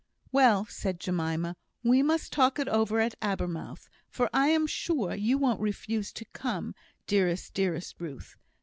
"Well," said Jemima, "we must talk it over at Abermouth; for I am sure you won't refuse to come, dearest, dear Ruth!